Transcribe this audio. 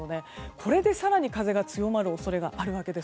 これで更に風が強まる恐れがあるわけです。